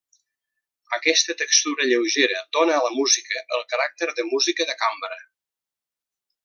Aquesta textura lleugera dóna a la música el caràcter de música de cambra.